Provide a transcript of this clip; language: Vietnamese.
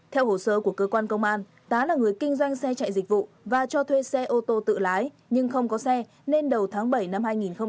theo hồ sơ của cơ quan công an tá là người kinh doanh xe chạy dịch vụ và cho thuê xe ô tô tự lái nhưng không có xe nên đầu tháng bảy năm hai nghìn hai mươi